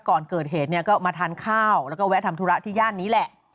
ก่อนเกิดเหตุเนี่ยก็มาทานข้าวแล้วก็แวะทำธุระที่ย่านนี้แหละ